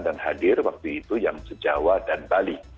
dan hadir waktu itu yang sejauh dan bali